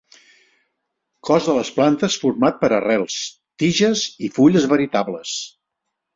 Cos de les plantes format per arrels, tiges i fulles veritables.